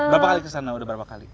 berapa kali kesana udah berapa kali